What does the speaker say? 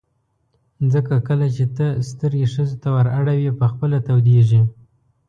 ځکه کله چې ته سترګې ښځو ته ور اړوې په خپله تودېږي.